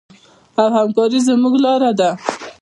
او همکاري زموږ لاره ده.